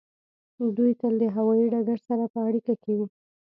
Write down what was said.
دوی تل د هوایی ډګر سره په اړیکه کې وي